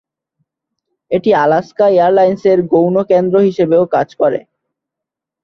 এটি আলাস্কা এয়ারলাইন্সের গৌণ কেন্দ্র হিসাবেও কাজ করে।